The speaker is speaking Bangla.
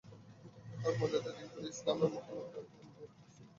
তার মনোনীত দীন হলো ইসলাম এবং মুহাম্মদ তাঁর বান্দা ও তাঁর রাসূল।